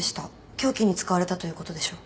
凶器に使われたということでしょう。